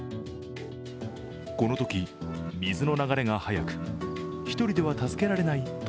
このとき、水の流れが速く１人では助けられないと